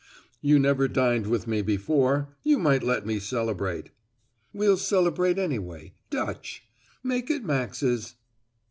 "You never dined with me before; you might let me celebrate. "We'll celebrate anyway, Dutch. Make it Max's."